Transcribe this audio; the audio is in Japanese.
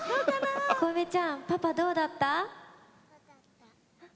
幸芽ちゃん、パパ、どうだった？